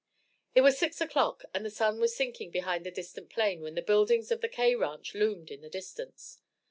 It was six o'clock, and the sun was sinking behind the distant plain when the buildings of the K ranch loomed in the distance.